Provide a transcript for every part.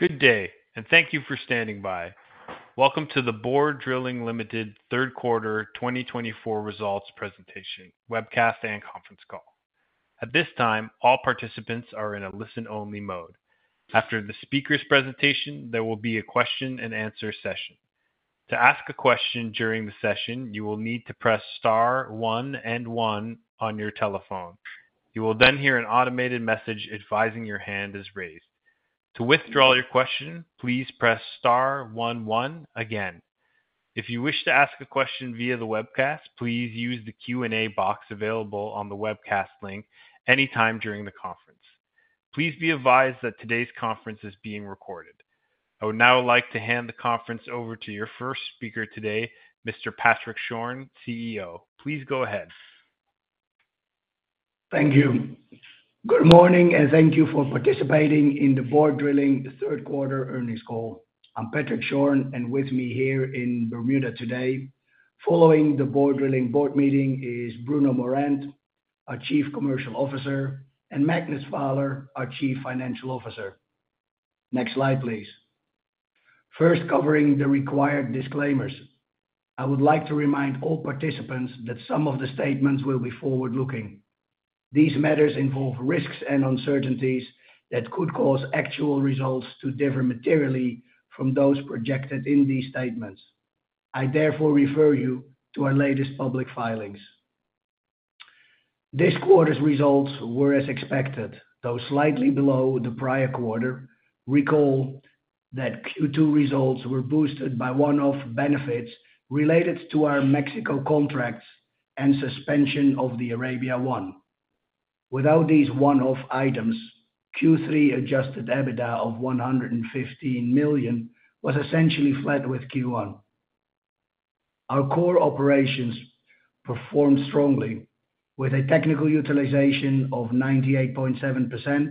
Good day, and thank you for standing by. Welcome to the Borr Drilling Ltd. Third Quarter 2024 results presentation, webcast and conference call. At this time, all participants are in a listen-only mode. After the speaker's presentation, there will be a question-and-answer session. To ask a question during the session, you will need to press star one and one on your telephone. You will then hear an automated message advising your hand is raised. To withdraw your question, please press star one one again. If you wish to ask a question via the webcast, please use the Q&A box available on the webcast link anytime during the conference. Please be advised that today's conference is being recorded. I would now like to hand the conference over to your first speaker today, Mr. Patrick Schorn, CEO. Please go ahead. Thank you. Good morning, and thank you for participating in the Borr Drilling Third Quarter earnings call. I'm Patrick Schorn, and with me here in Bermuda today, following the Borr Drilling board meeting, is Bruno Morand, our Chief Commercial Officer, and Magnus Vaaler, our Chief Financial Officer. Next slide, please. First, covering the required disclaimers. I would like to remind all participants that some of the statements will be forward-looking. These matters involve risks and uncertainties that could cause actual results to differ materially from those projected in these statements. I therefore refer you to our latest public filings. This quarter's results were as expected, though slightly below the prior quarter. Recall that Q2 results were boosted by one-off benefits related to our Mexico contracts and suspension of the Arabia I. Without these one-off items, Q3 Adjusted EBITDA of $115 million was essentially flat with Q1. Our core operations performed strongly, with a technical utilization of 98.7%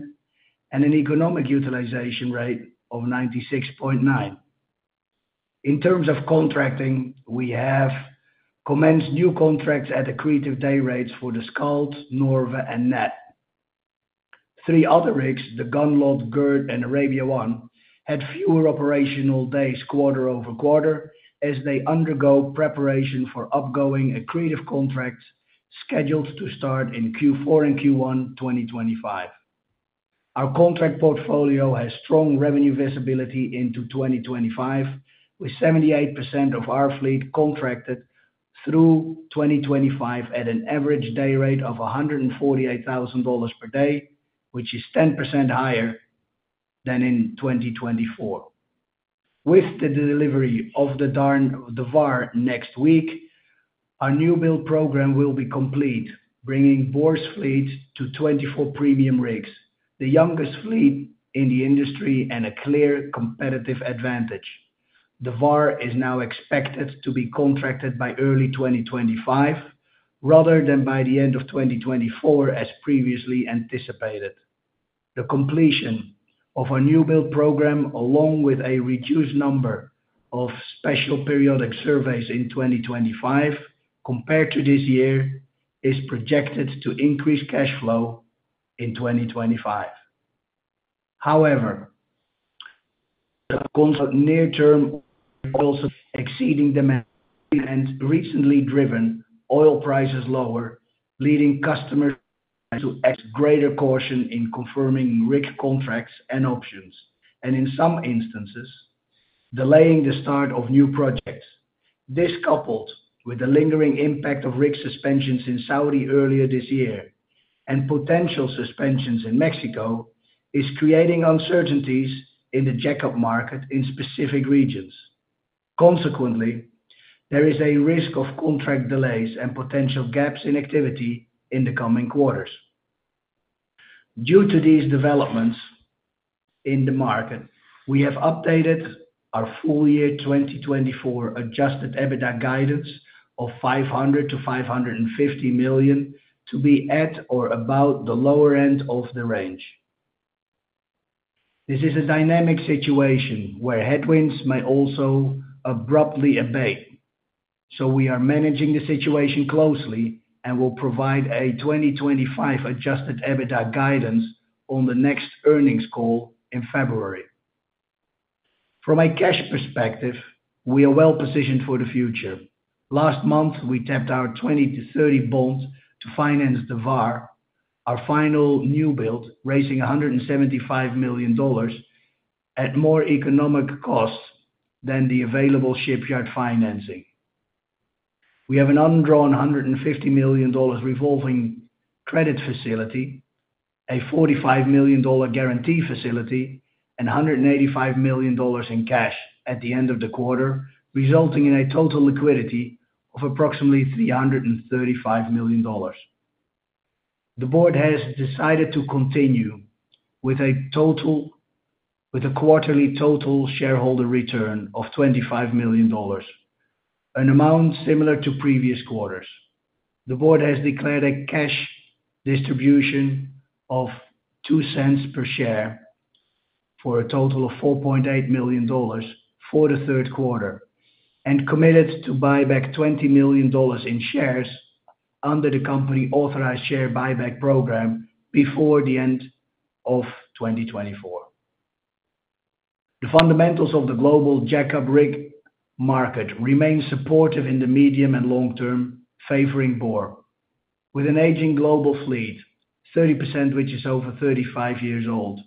and an economic utilization rate of 96.9%. In terms of contracting, we have commenced new contracts at accretive day rates for the Skald, Norve, and Natt. Three other rigs, the Gunnlod, Gerd, and Arabia I, had fewer operational days quarter-over-quarter as they undergo preparation for upcoming accretive contracts scheduled to start in Q4 and Q1 2025. Our contract portfolio has strong revenue visibility into 2025, with 78% of our fleet contracted through 2025 at an average day rate of $148,000 per day, which is 10% higher than in 2024. With the delivery of the Var next week, our new build program will be complete, bringing Borr's fleet to 24 premium rigs, the youngest fleet in the industry and a clear competitive advantage. The Var is now expected to be contracted by early 2025 rather than by the end of 2024, as previously anticipated. The completion of our new build program, along with a reduced number of special periodic surveys in 2025 compared to this year, is projected to increase cash flow in 2025. However, the near-term results are exceeding demand and recently driven oil prices lower, leading customers to take greater caution in confirming rig contracts and options, and in some instances, delaying the start of new projects. This, coupled with the lingering impact of rig suspensions in Saudi earlier this year and potential suspensions in Mexico, is creating uncertainties in the jack-up market in specific regions. Consequently, there is a risk of contract delays and potential gaps in activity in the coming quarters. Due to these developments in the market, we have updated our full year 2024 Adjusted EBITDA guidance of $500 million-$550 million to be at or about the lower end of the range. This is a dynamic situation where headwinds may also abruptly abate, so we are managing the situation closely and will provide a 2025 Adjusted EBITDA guidance on the next earnings call in February. From a cash perspective, we are well positioned for the future. Last month, we tapped our 2028 bonds to finance the Var, our final new build, raising $175 million at more economic cost than the available shipyard financing. We have an undrawn $150 million revolving credit facility, a $45 million guarantee facility, and $185 million in cash at the end of the quarter, resulting in a total liquidity of approximately $335 million. The board has decided to continue with a quarterly total shareholder return of $25 million, an amount similar to previous quarters. The board has declared a cash distribution of $0.02 per share for a total of $4.8 million for the third quarter and committed to buy back $20 million in shares under the company authorized share buyback program before the end of 2024. The fundamentals of the global jack-up rig market remain supportive in the medium and long term, favoring Borr, with an aging global fleet, 30% of which is over 35 years old,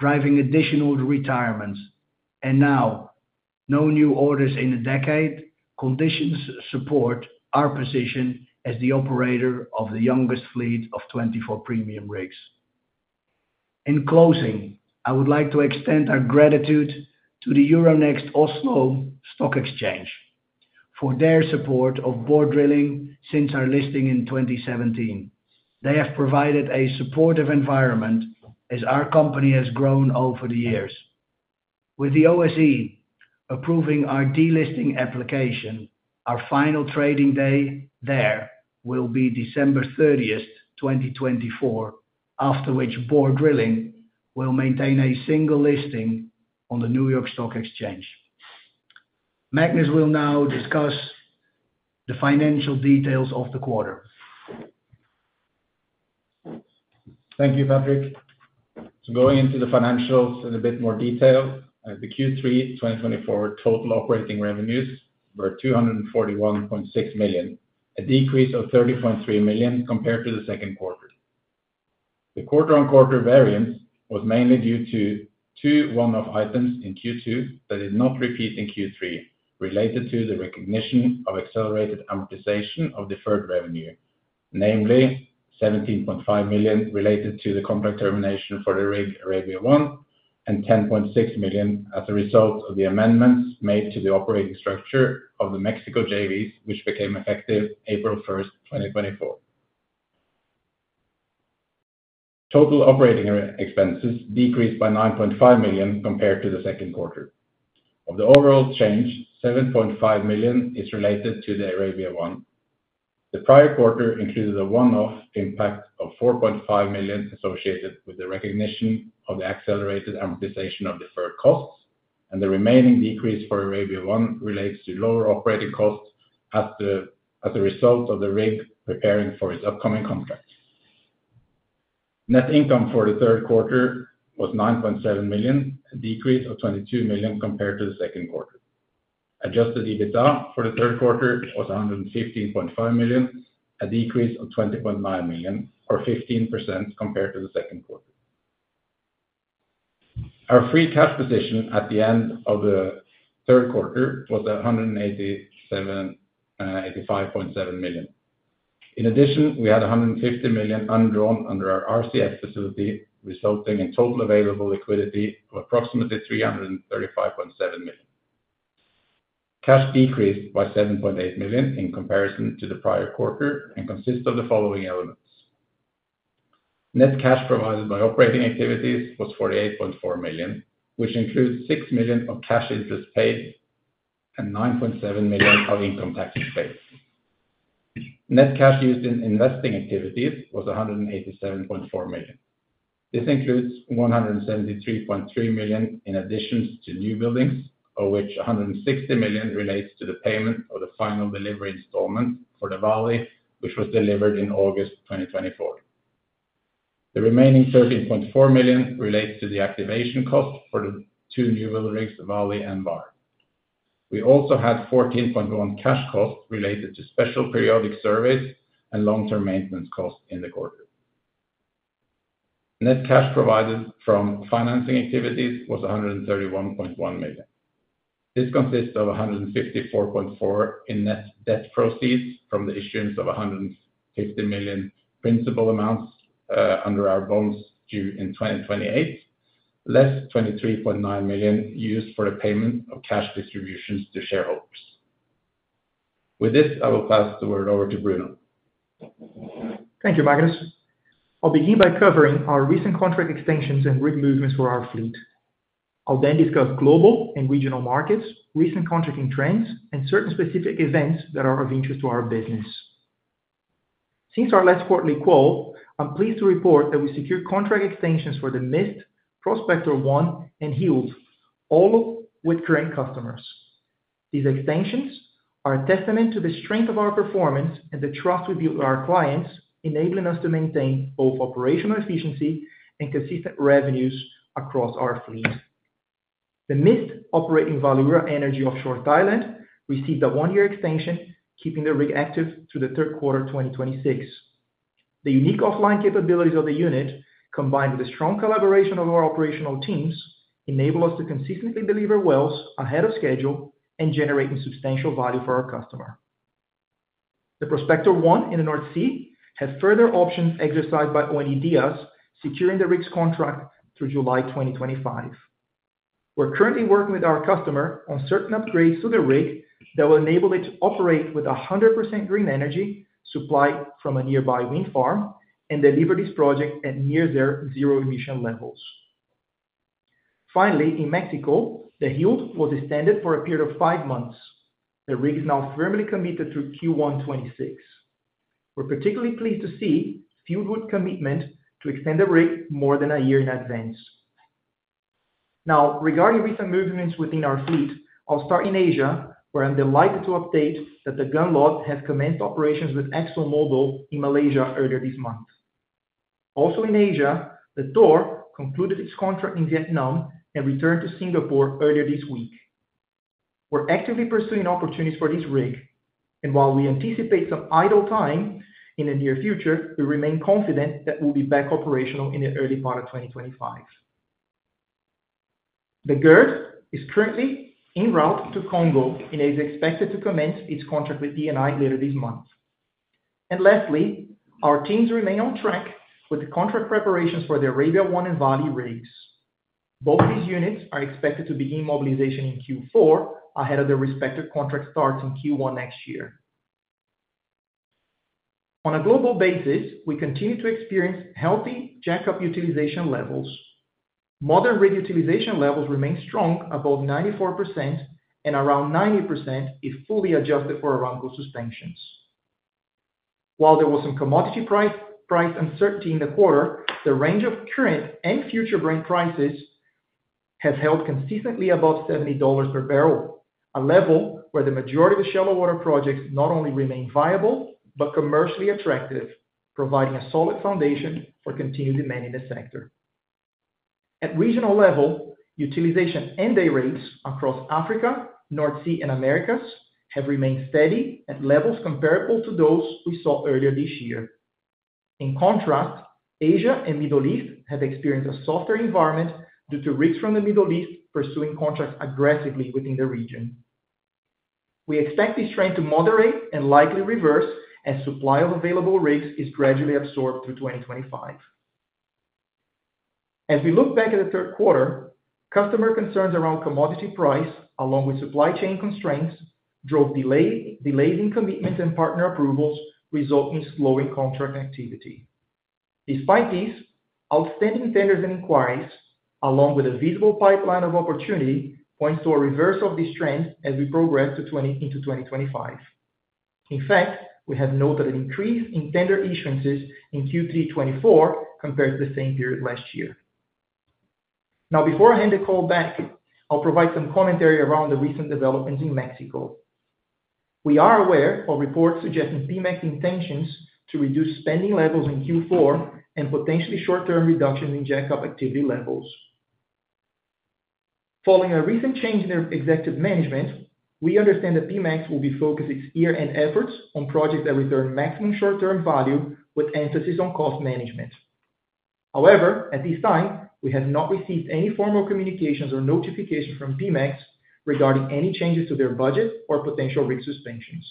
driving additional retirements and now, no new orders in a decade, conditions support our position as the operator of the youngest fleet of 24 premium rigs. In closing, I would like to extend our gratitude to the Euronext Oslo Stock Exchange for their support of Borr Drilling since our listing in 2017. They have provided a supportive environment as our company has grown over the years. With the OSE approving our delisting application, our final trading day there will be December 30, 2024, after which Borr Drilling will maintain a single listing on the New York Stock Exchange. Magnus will now discuss the financial details of the quarter. Thank you, Patrick. So going into the financials in a bit more detail, the Q3 2024 total operating revenues were $241.6 million, a decrease of $30.3 million compared to the second quarter. The quarter-on-quarter variance was mainly due to two one-off items in Q2 that did not repeat in Q3 related to the recognition of accelerated amortization of deferred revenue, namely $17.5 million related to the contract termination for the rig Arabia I and $10.6 million as a result of the amendments made to the operating structure of the Mexico JVs, which became effective April 1, 2024. Total operating expenses decreased by $9.5 million compared to the second quarter. Of the overall change, $7.5 million is related to the Arabia I. The prior quarter included a one-off impact of $4.5 million associated with the recognition of the accelerated amortization of deferred costs, and the remaining decrease for Arabia I relates to lower operating costs as a result of the rig preparing for its upcoming contract. Net income for the third quarter was $9.7 million, a decrease of $22 million compared to the second quarter. Adjusted EBITDA for the third quarter was $115.5 million, a decrease of $20.9 million, or 15% compared to the second quarter. Our free cash position at the end of the third quarter was $185.7 million. In addition, we had $150 million undrawn under our RCF facility, resulting in total available liquidity of approximately $335.7 million. Cash decreased by $7.8 million in comparison to the prior quarter and consists of the following elements. Net cash provided by operating activities was $48.4 million, which includes $6 million of cash interest paid and $9.7 million of income tax paid. Net cash used in investing activities was $187.4 million. This includes $173.3 million in additions to new builds, of which $160 million relates to the payment of the final delivery installment for the Vali, which was delivered in August 2024. The remaining $13.4 million relates to the activation cost for the two new build rigs, the Vali and Var. We also had $14.1 million cash cost related to special periodic surveys and long-term maintenance costs in the quarter. Net cash provided from financing activities was $131.1 million. This consists of $154.4 million in net debt proceeds from the issuance of $150 million principal amounts under our bonds due in 2028, less $23.9 million used for the payment of cash distributions to shareholders. With this, I will pass the word over to Bruno. Thank you, Magnus. I'll begin by covering our recent contract extensions and rig movements for our fleet. I'll then discuss global and regional markets, recent contracting trends, and certain specific events that are of interest to our business. Since our last quarterly call, I'm pleased to report that we secured contract extensions for the Mist, Prospector 1, and Hildr, all with current customers. These extensions are a testament to the strength of our performance and the trust we build with our clients, enabling us to maintain both operational efficiency and consistent revenues across our fleet. The Mist operating Valeura Energy offshore Thailand received a one-year extension, keeping the rig active through the third quarter of 2026. The unique offline capabilities of the unit, combined with the strong collaboration of our operational teams, enable us to consistently deliver wells ahead of schedule and generate substantial value for our customer. The Prospector 1 in the North Sea has further options exercised by ONE-Dyas, securing the rig's contract through July 2025. We're currently working with our customer on certain upgrades to the rig that will enable it to operate with 100% green energy supplied from a nearby wind farm and deliver this project at near-zero emission levels. Finally, in Mexico, the Hildr was extended for a period of five months. The rig is now firmly committed to Q1 2026. We're particularly pleased to see Fieldwood's commitment to extend the rig more than a year in advance. Now, regarding recent movements within our fleet, I'll start in Asia, where I'm delighted to update that the Gunnlod has commenced operations with ExxonMobil in Malaysia earlier this month. Also in Asia, the Thor concluded its contract in Vietnam and returned to Singapore earlier this week. We're actively pursuing opportunities for this rig, and while we anticipate some idle time in the near future, we remain confident that we'll be back operational in the early part of 2025. The Gerd is currently en route to Congo and is expected to commence its contract with Eni later this month. And lastly, our teams remain on track with the contract preparations for the Arabia I and Vali rigs. Both these units are expected to begin mobilization in Q4 ahead of their respective contract starts in Q1 next year. On a global basis, we continue to experience healthy jack-up utilization levels. Modern rig utilization levels remain strong, above 94% and around 90% if fully adjusted for Aramco's suspensions. While there was some commodity price uncertainty in the quarter, the range of current and future Brent prices has held consistently above $70 per bbl, a level where the majority of the shallow water projects not only remain viable but commercially attractive, providing a solid foundation for continued demand in the sector. At regional level, utilization and day rates across Africa, North Sea, and Americas have remained steady at levels comparable to those we saw earlier this year. In contrast, Asia and the Middle East have experienced a softer environment due to rigs from the Middle East pursuing contracts aggressively within the region. We expect this trend to moderate and likely reverse as supply of available rigs is gradually absorbed through 2025. As we look back at the third quarter, customer concerns around commodity price, along with supply chain constraints, drove delays in commitments and partner approvals, resulting in slowing contract activity. Despite this, outstanding tenders and inquiries, along with a visible pipeline of opportunity, points to a reversal of this trend as we progress into 2025. In fact, we have noted an increase in tender issuances in Q3 2024 compared to the same period last year. Now, before I hand the call back, I'll provide some commentary around the recent developments in Mexico. We are aware of reports suggesting Pemex intentions to reduce spending levels in Q4 and potentially short-term reductions in jack-up activity levels. Following a recent change in their executive management, we understand that Pemex will be focusing its year-end efforts on projects that return maximum short-term value with emphasis on cost management. However, at this time, we have not received any formal communications or notifications from Pemex regarding any changes to their budget or potential rig suspensions.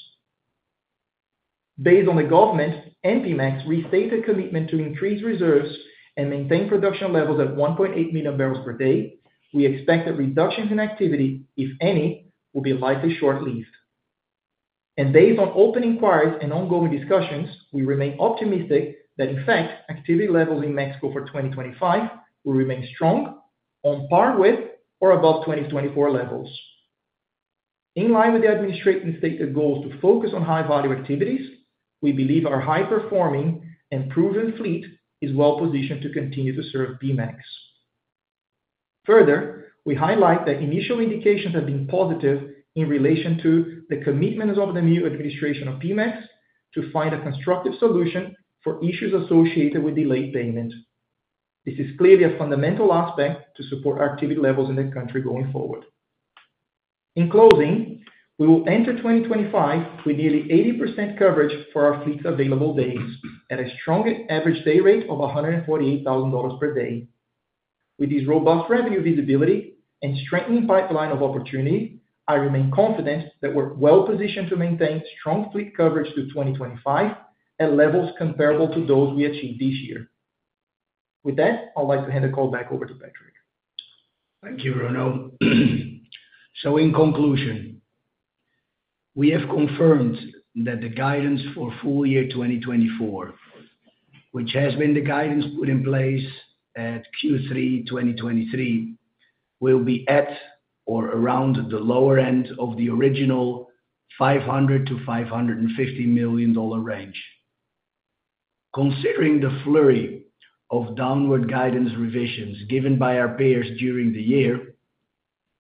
Based on the government and Pemex's restated commitment to increase reserves and maintain production levels at 1.8 MMbpd, we expect that reductions in activity, if any, will be likely short-lived. And based on open inquiries and ongoing discussions, we remain optimistic that, in fact, activity levels in Mexico for 2025 will remain strong, on par with or above 2024 levels. In line with the administrative and stated goals to focus on high-value activities, we believe our high-performing and proven fleet is well-positioned to continue to serve Pemex. Further, we highlight that initial indications have been positive in relation to the commitment of the new administration of Pemex to find a constructive solution for issues associated with delayed payment. This is clearly a fundamental aspect to support activity levels in the country going forward. In closing, we will enter 2025 with nearly 80% coverage for our fleet's available days at a strong average day rate of $148,000 per day. With this robust revenue visibility and strengthening pipeline of opportunity, I remain confident that we're well-positioned to maintain strong fleet coverage through 2025 at levels comparable to those we achieved this year. With that, I'd like to hand the call back over to Patrick. Thank you, Bruno. So in conclusion, we have confirmed that the guidance for full year 2024, which has been the guidance put in place at Q3 2023, will be at or around the lower end of the original $500 million-$550 million range. Considering the flurry of downward guidance revisions given by our peers during the year,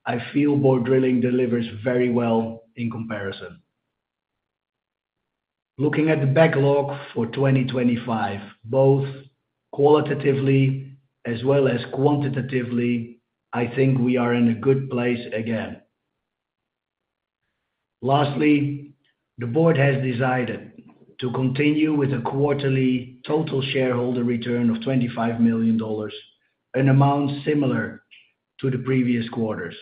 I feel Borr Drilling delivers very well in comparison. Looking at the backlog for 2025, both qualitatively as well as quantitatively, I think we are in a good place again. Lastly, the board has decided to continue with a quarterly total shareholder return of $25 million, an amount similar to the previous quarters.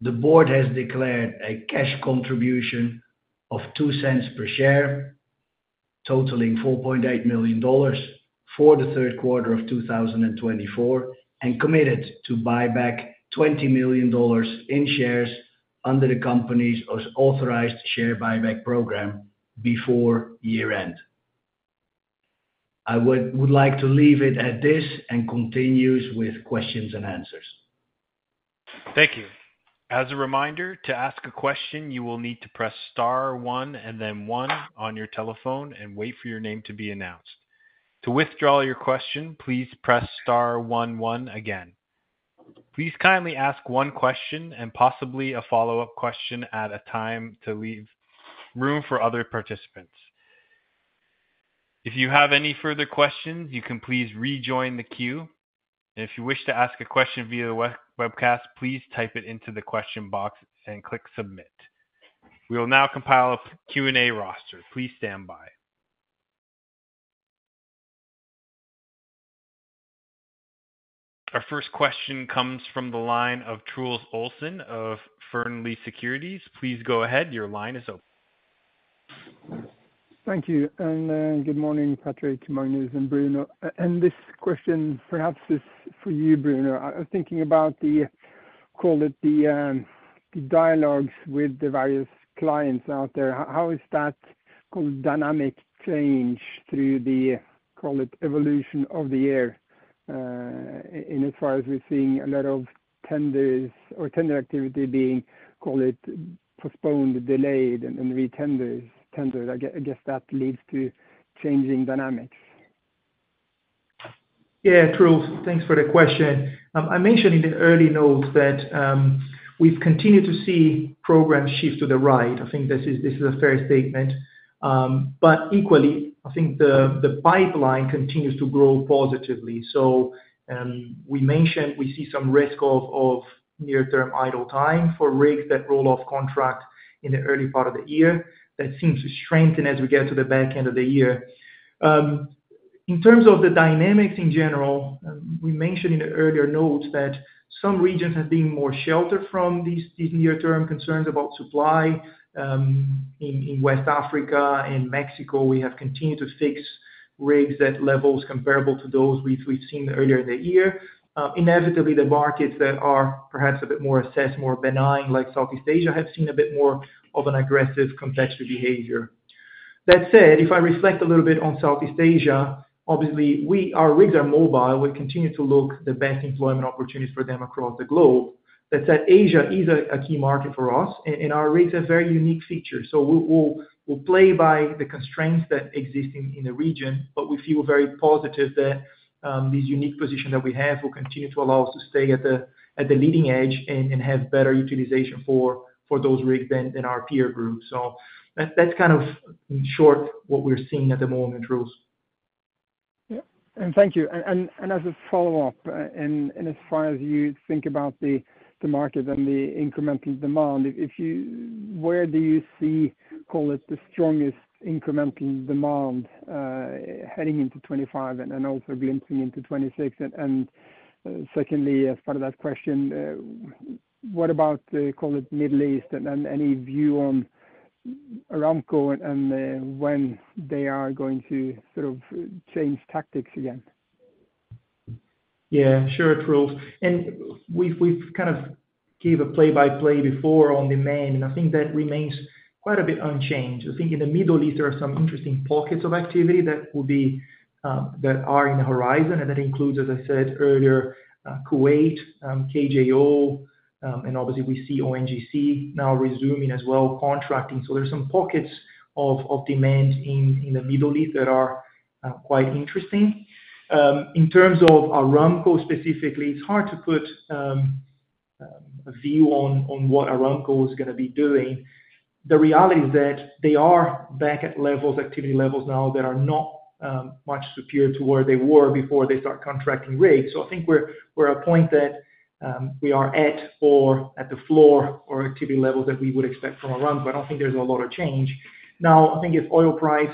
The board has declared a cash contribution of $0.02 per share, totaling $4.8 million for the third quarter of 2024, and committed to buyback $20 million in shares under the company's authorized share buyback program before year-end. I would like to leave it at this and continue with questions and answers. Thank you. As a reminder, to ask a question, you will need to press star one and then one on your telephone and wait for your name to be announced. To withdraw your question, please press star one one again. Please kindly ask one question and possibly a follow-up question at a time to leave room for other participants. If you have any further questions, you can please rejoin the queue. If you wish to ask a question via the webcast, please type it into the question box and click submit. We will now compile a Q&A roster. Please stand by. Our first question comes from the line of Truls Olsen of Fearnley Securities. Please go ahead. Your line is open. Thank you. And good morning, Patrick, Magnus, and Bruno. And this question perhaps is for you, Bruno. I was thinking about the, call it, the dialogues with the various clients out there. How is that called dynamic change through the, call it, evolution of the year? And as far as we're seeing a lot of tenders or tender activity being, call it, postponed, delayed, and then retendered, I guess that leads to changing dynamics. Yeah, Truls, thanks for the question. I mentioned in the early notes that we've continued to see programs shift to the right. I think this is a fair statement. But equally, I think the pipeline continues to grow positively. So we mentioned we see some risk of near-term idle time for rigs that roll off contract in the early part of the year. That seems to strengthen as we get to the back end of the year. In terms of the dynamics in general, we mentioned in the earlier notes that some regions have been more sheltered from these near-term concerns about supply. In West Africa and Mexico, we have continued to fix rigs at levels comparable to those we've seen earlier in the year. Inevitably, the markets that are perhaps a bit more assessed, more benign, like Southeast Asia, have seen a bit more of an aggressive competitive behavior. That said, if I reflect a little bit on Southeast Asia, obviously, our rigs are mobile. We continue to look for the best employment opportunities for them across the globe. That said, Asia is a key market for us, and our rigs have very unique features. So we'll play by the constraints that exist in the region, but we feel very positive that this unique position that we have will continue to allow us to stay at the leading edge and have better utilization for those rigs than our peer group. So that's kind of in short what we're seeing at the moment, Truls. Yeah. And thank you. And as a follow-up, and as far as you think about the market and the incremental demand, where do you see, call it the strongest incremental demand heading into 2025 and also glimpse into 2026? And secondly, as part of that question, what about the, call it Middle East and any view on Aramco and when they are going to sort of change tactics again? Yeah, sure, Truls. And we've kind of gave a play-by-play before on demand, and I think that remains quite a bit unchanged. I think in the Middle East, there are some interesting pockets of activity that are on the horizon, and that includes, as I said earlier, Kuwait, KJO, and obviously, we see ONGC now resuming as well, contracting. So there are some pockets of demand in the Middle East that are quite interesting. In terms of Aramco specifically, it's hard to put a view on what Aramco is going to be doing. The reality is that they are back at levels, activity levels now that are not much superior to where they were before they start contracting rigs. So I think we're at a point that we are at or at the floor or activity levels that we would expect from Aramco. I don't think there's a lot of change. Now, I think if oil price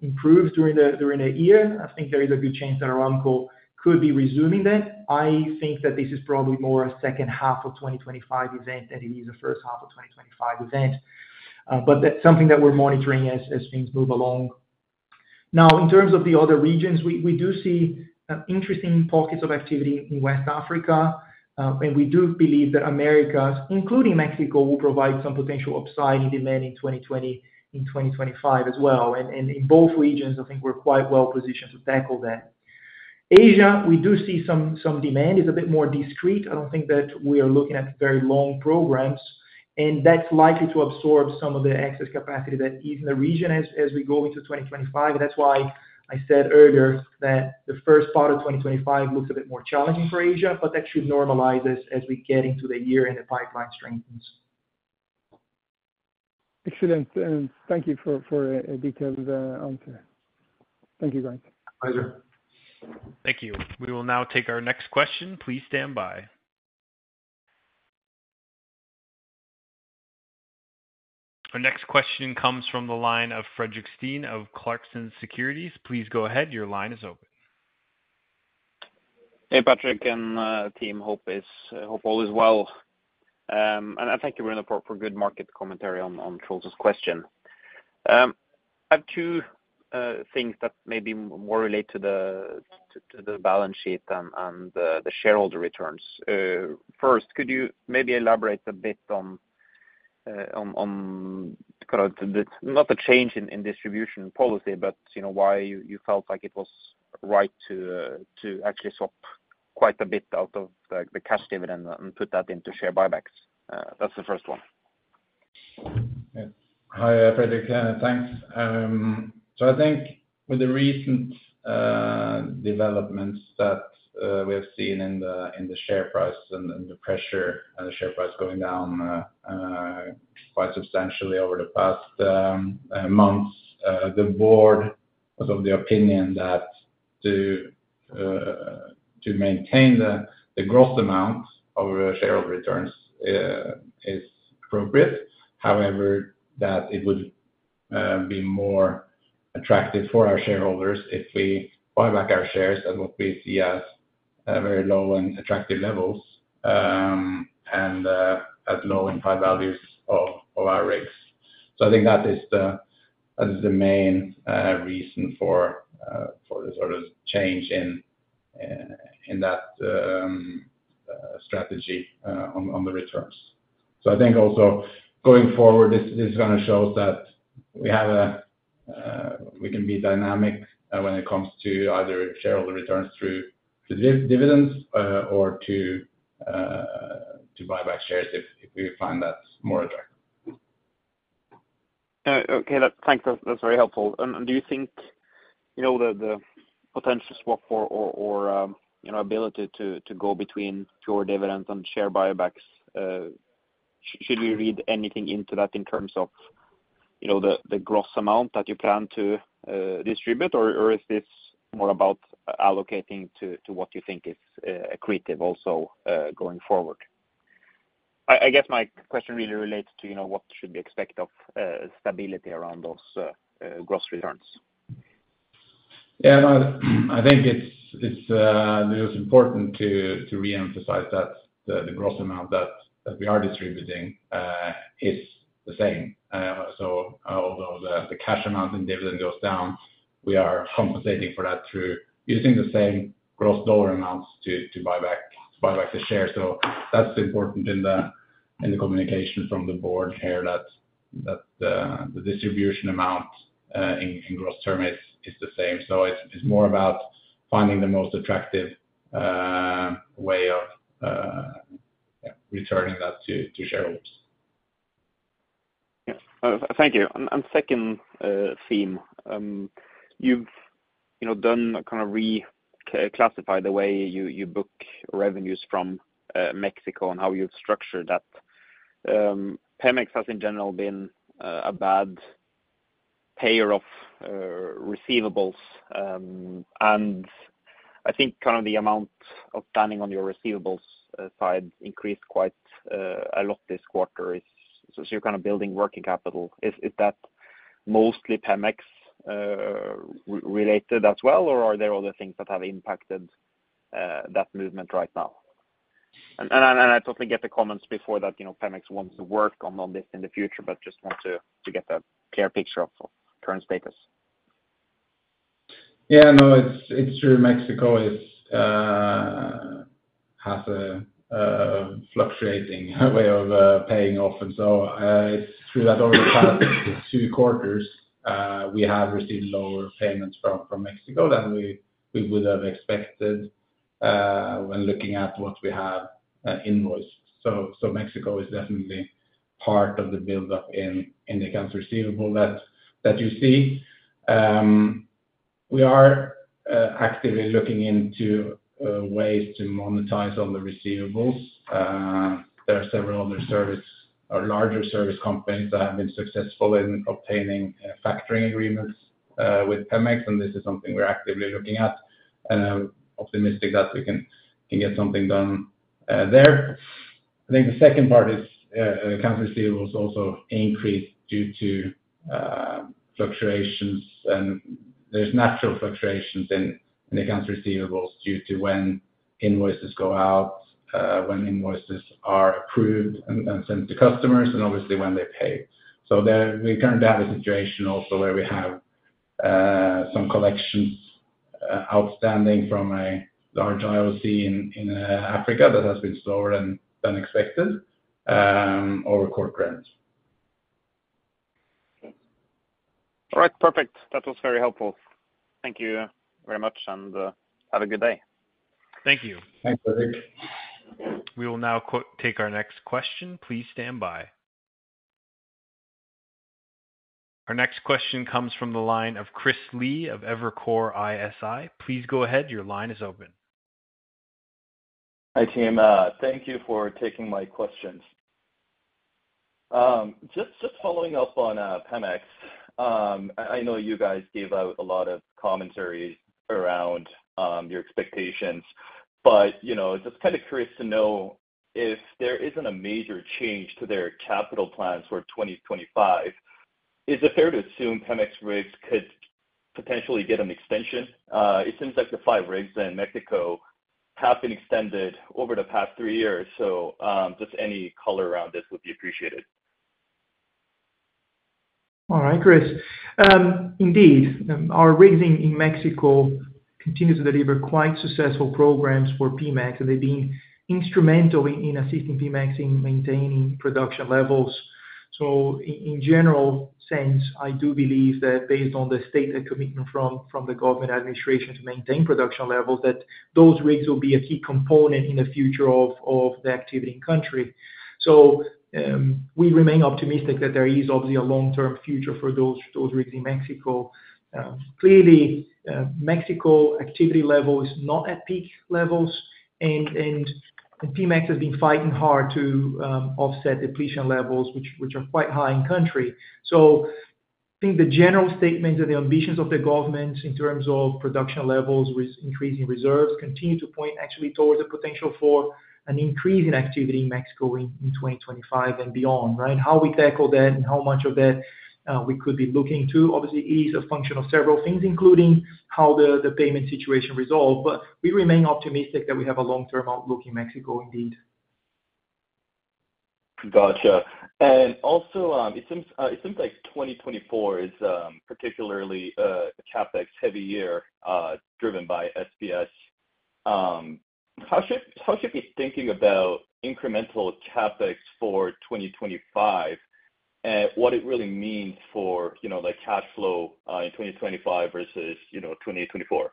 improves during the year, I think there is a good chance that Aramco could be resuming that. I think that this is probably more a second half of 2025 event than it is a first half of 2025 event, but that's something that we're monitoring as things move along. Now, in terms of the other regions, we do see interesting pockets of activity in West Africa, and we do believe that America, including Mexico, will provide some potential upside in demand in 2020, in 2025 as well, and in both regions, I think we're quite well-positioned to tackle that. Asia, we do see some demand. It's a bit more discrete. I don't think that we are looking at very long programs, and that's likely to absorb some of the excess capacity that is in the region as we go into 2025. That's why I said earlier that the first part of 2025 looks a bit more challenging for Asia, but that should normalize as we get into the year and the pipeline strengthens. Excellent, and thank you for a detailed answer. Thank you, guys. Pleasure. Thank you. We will now take our next question. Please stand by. Our next question comes from the line of Fredrik Stene of Clarksons Securities. Please go ahead. Your line is open. Hey, Patrick and team. Hope all is well and thank you, Bruno, for good market commentary on Truls' question. I have two things that maybe more relate to the balance sheet and the shareholder returns. First, could you maybe elaborate a bit on not the change in distribution policy, but why you felt like it was right to actually swap quite a bit out of the cash dividend and put that into share buybacks? That's the first one. Hi, Fredrik. Thanks. So I think with the recent developments that we have seen in the share price and the pressure on the share price going down quite substantially over the past months, the board was of the opinion that to maintain the gross amount of shareholder returns is appropriate. However, that it would be more attractive for our shareholders if we buy back our shares at what we see as very low and attractive levels and at low and high values of our rigs. So I think that is the main reason for the sort of change in that strategy on the returns. So I think also going forward, this is going to show us that we can be dynamic when it comes to either shareholder returns through dividends or to buy back shares if we find that's more attractive. Okay. Thanks. That's very helpful. And do you think the potential swap or ability to go between pure dividends and share buybacks, should we read anything into that in terms of the gross amount that you plan to distribute, or is this more about allocating to what you think is accretive also going forward? I guess my question really relates to what should we expect of stability around those gross returns. Yeah. I think it's important to reemphasize that the gross amount that we are distributing is the same. So although the cash amount in dividend goes down, we are compensating for that through using the same gross dollar amounts to buy back the shares. So that's important in the communication from the board here that the distribution amount in gross terms is the same. So it's more about finding the most attractive way of returning that to shareholders. Yeah. Thank you. And second theme, you've kind of reclassified the way you book revenues from Mexico and how you've structured that. Pemex has, in general, been a bad payer of receivables. And I think kind of the amount outstanding on your receivables side increased quite a lot this quarter. So you're kind of building working capital. Is that mostly Pemex-related as well, or are there other things that have impacted that movement right now? And I totally get the comments before that Pemex wants to work on this in the future, but just want to get a clear picture of current status. Yeah. No, it's true. Mexico has a fluctuating way of paying off. And so it's true that over the past two quarters, we have received lower payments from Mexico than we would have expected when looking at what we have invoiced. So Mexico is definitely part of the build-up in the accounts receivable that you see. We are actively looking into ways to monetize on the receivables. There are several other service or larger service companies that have been successful in obtaining factoring agreements with Pemex, and this is something we're actively looking at. And I'm optimistic that we can get something done there. I think the second part is accounts receivables also increased due to fluctuations, and there's natural fluctuations in accounts receivables due to when invoices go out, when invoices are approved and sent to customers, and obviously when they pay. So we currently have a situation also where we have some collections outstanding from a large IOC in Africa that has been slower than expected or a court grant. All right. Perfect. That was very helpful. Thank you very much, and have a good day. Thank you. Thanks, Fredrik. We will now take our next question. Please stand by. Our next question comes from the line of Chris Lee of Evercore ISI. Please go ahead. Your line is open. Hi, team. Thank you for taking my questions. Just following up on Pemex, I know you guys gave out a lot of commentary around your expectations, but just kind of curious to know if there isn't a major change to their capital plans for 2025. Is it fair to assume Pemex rigs could potentially get an extension? It seems like the five rigs in Mexico have been extended over the past three years. So just any color around this would be appreciated. All right, Chris. Indeed. Our rigs in Mexico continue to deliver quite successful programs for Pemex, and they've been instrumental in assisting Pemex in maintaining production levels. So in general sense, I do believe that based on the stated commitment from the government administration to maintain production levels, that those rigs will be a key component in the future of the activity in country. So we remain optimistic that there is obviously a long-term future for those rigs in Mexico. Clearly, Mexico activity level is not at peak levels, and Pemex has been fighting hard to offset depletion levels, which are quite high in country. So I think the general statements and the ambitions of the government in terms of production levels with increasing reserves continue to point actually towards a potential for an increase in activity in Mexico in 2025 and beyond, right? How we tackle that and how much of that we could be looking to, obviously, is a function of several things, including how the payment situation resolves, but we remain optimistic that we have a long-term outlook in Mexico indeed. Gotcha. And also, it seems like 2024 is particularly a CapEx-heavy year driven by SPS. How should we be thinking about incremental CapEx for 2025 and what it really means for cash flow in 2025 versus 2024?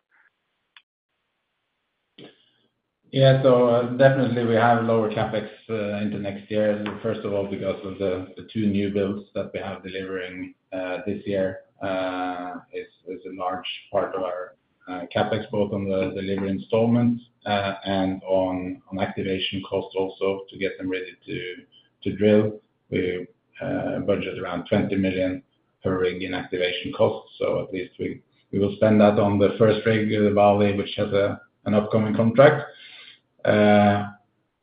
Yeah. So definitely, we have lower CapEx into next year. First of all, because of the two new builds that we have delivering this year is a large part of our CapEx, both on the delivery installments and on activation cost also to get them ready to drill. We budget around $20 million per rig in activation cost. So at least we will spend that on the first rig, the Vali, which has an upcoming contract.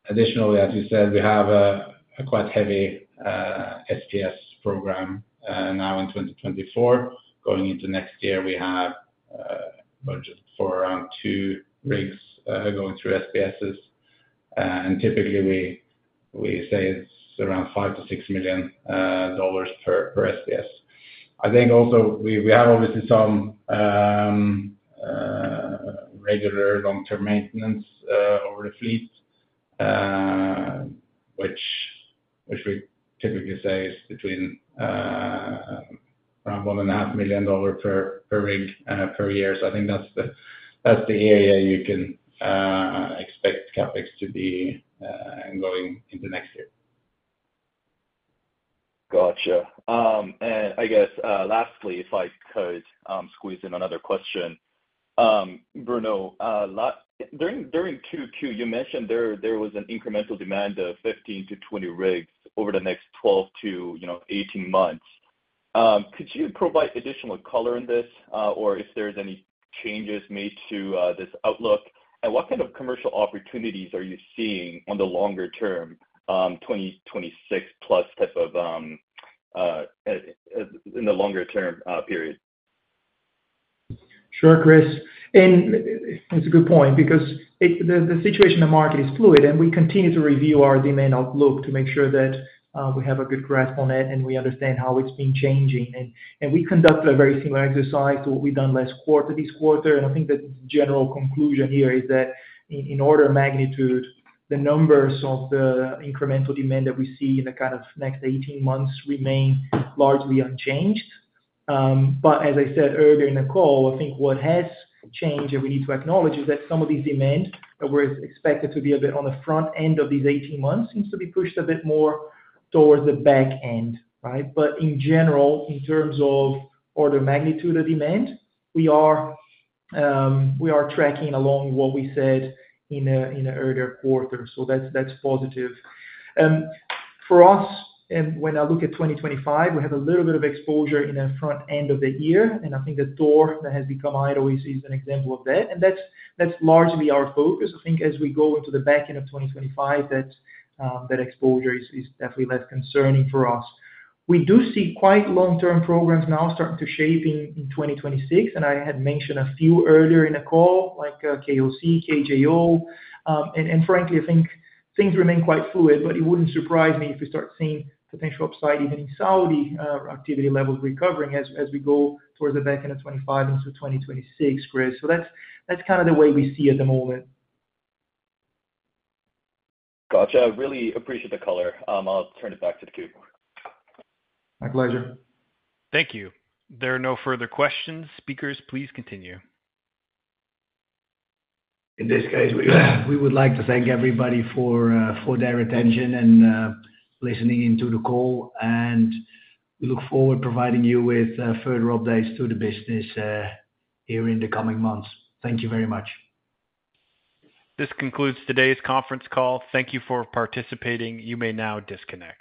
Additionally, as you said, we have a quite heavy SPS program now in 2024. Going into next year, we have budget for around two rigs going through SPSs. And typically, we say it's around $5 million-$6 million per SPS. I think also we have obviously some regular long-term maintenance over the fleet, which we typically say is between around $1.5 million per rig per year. So I think that's the area you can expect CapEx to be going into next year. Gotcha. And I guess lastly, if I could squeeze in another question, Bruno, during Q2, you mentioned there was an incremental demand of 15 rigs-20 rigs over the next 12 months-18 months. Could you provide additional color on this, or if there's any changes made to this outlook, and what kind of commercial opportunities are you seeing on the longer term, 2026+ type of in the longer-term period? Sure, Chris. And it's a good point because the situation in the market is fluid, and we continue to review our demand outlook to make sure that we have a good grasp on it and we understand how it's been changing. And we conducted a very similar exercise to what we've done this quarter. And I think that the general conclusion here is that in order of magnitude, the numbers of the incremental demand that we see in the kind of next 18 months remain largely unchanged. But as I said earlier in the call, I think what has changed that we need to acknowledge is that some of these demands that were expected to be a bit on the front end of these 18 months seems to be pushed a bit more towards the back end, right? But in general, in terms of order of magnitude of demand, we are tracking along what we said in the earlier quarter. So that's positive. For us, when I look at 2025, we have a little bit of exposure in the front end of the year. And I think the Thor that has become an ideal example of that. And that's largely our focus. I think as we go into the back end of 2025, that exposure is definitely less concerning for us. We do see quite long-term programs now starting to shape in 2026. And I had mentioned a few earlier in the call, like KOC, KJO. And frankly, I think things remain quite fluid, but it wouldn't surprise me if we start seeing potential upside even in Saudi activity levels recovering as we go towards the back end of 2025 into 2026, Chris. So that's kind of the way we see it at the moment. Gotcha. Really appreciate the color. I'll turn it back to the queue. My pleasure. Thank you. There are no further questions. Speakers, please continue. In this case, we would like to thank everybody for their attention and listening into the call. And we look forward to providing you with further updates to the business here in the coming months. Thank you very much. This concludes today's conference call. Thank you for participating. You may now disconnect.